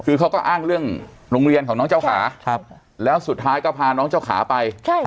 คือเขาก็อ้างเรื่องโรงเรียนของน้องเจ้าขาแล้วสุดท้ายก็พาน้องเจ้าขาไป